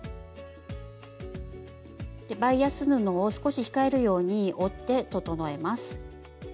バイアス布を少し控えるように折って整えます。